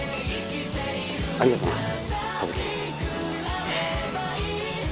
ありがとな和樹。